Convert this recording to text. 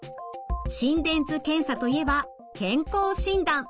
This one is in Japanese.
心電図検査といえば健康診断。